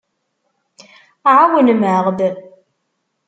Ɛawnem-aɣ-d.